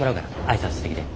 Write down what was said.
挨拶してきて。